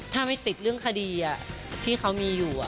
ถ้าไม่ติดเรื่องคดีที่เขามีอยู่